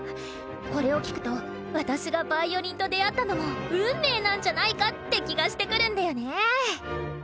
これを聴くと私がヴァイオリンと出会ったのも運命なんじゃないかって気がしてくるんだよね！